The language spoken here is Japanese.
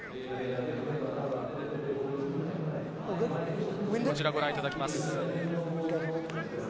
こちらご覧いただきます。